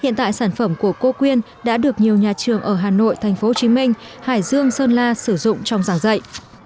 hiện tại sản phẩm của cô quyên đã được nhiều nhà trường ở hà nội tp hcm hải dương sơn la sử dụng trong giảng dạy